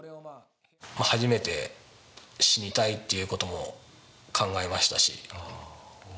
初めて死にたいということも考えましたし。